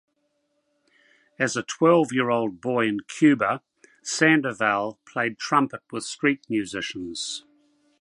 As a twelve-year-old boy in Cuba, Sandoval played trumpet with street musicians.